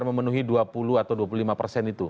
jadi itu dua puluh atau dua puluh lima persen itu